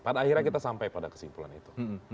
pada akhirnya kita sampai pada kesimpulan itu